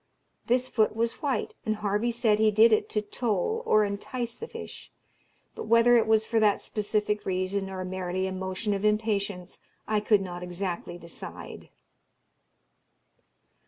This foot was white, and Harvey said he did it to toll or entice the fish; but whether it was for that specific reason, or merely a motion of impatience, I could not exactly decide."